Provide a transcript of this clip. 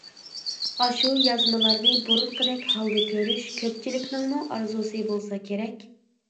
ئاشۇ يازمىلارنى بۇرۇنقىدەك ھالدا كۆرۈش كۆپچىلىكنىڭمۇ ئارزۇسى بولسا كېرەك.